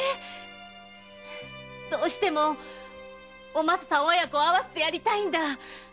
どうしてもおまささん親子を会わせてやりたいんだ。